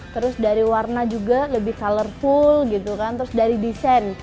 terus dari warna juga lebih colorful gitu kan terus dari desain